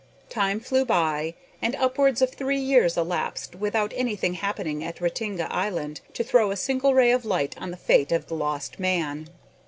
Time flew by, and upwards of three years elapsed without anything happening at Ratinga Island to throw a single ray of light on the fate of the lost man.